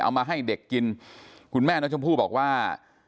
มาให้เด็กกินคุณแม่น้องชมพู่บอกว่า